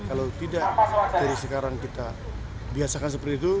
kalau tidak dari sekarang kita biasakan seperti itu